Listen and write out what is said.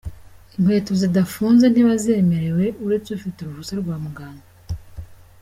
Inkweto zidafunze ntibazemerewe uretse ufite uruhusa rwa Muganga.